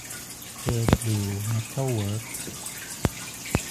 เค ดับบลิว เม็ททัล เวิร์ค